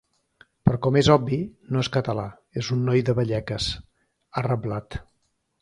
Però com és obvi, no és català, és un noi de Vallecas, ha reblat.